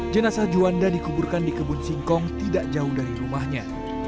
jenazah juanda dikuburkan di kebun singkong tidak jauh dari rumahnya